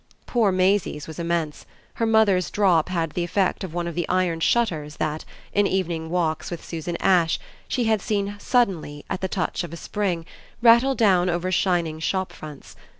Poor Maisie's was immense; her mother's drop had the effect of one of the iron shutters that, in evening walks with Susan Ash, she had seen suddenly, at the touch of a spring, rattle down over shining shop fronts.